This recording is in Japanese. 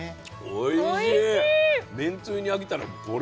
おいしい！